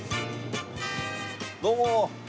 どうも。